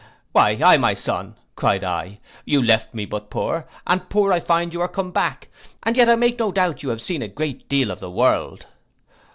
'Why, aye my son,' cried I, 'you left me but poor, and poor I find you are come back; and yet I make no doubt you have seen a great deal of the world.